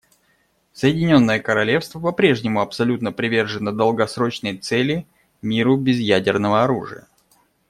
Соединенное Королевство по-прежнему абсолютно привержено долгосрочной цели − миру без ядерного оружия.